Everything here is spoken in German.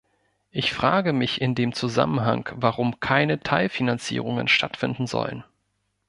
Ich frage mich in dem Zusammenhang, warum keine Teilfinanzierungen stattfinden sollen.